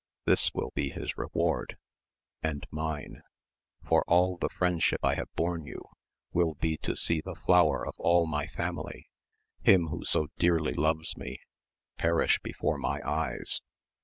This will be his reward ! and mine, for all the Mendship I have borne you, will be to see the flower of all my family, him who so dearly loves me, perish before my eyes.